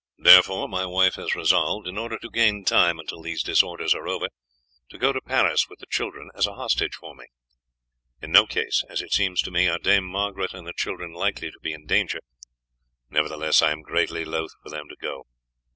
Therefore my wife has resolved, in order to gain time until these disorders are over, to go to Paris with the children as a hostage for me. In no case, as it seems to me, are Dame Margaret and the children likely to be in danger; nevertheless, I am greatly loth for them to go.